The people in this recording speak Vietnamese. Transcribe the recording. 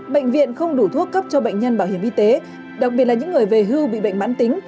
bệnh viện không đủ thuốc cấp cho bệnh nhân bảo hiểm y tế đặc biệt là những người về hưu bị bệnh mãn tính